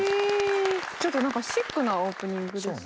ちょっとなんかシックなオープニングですね。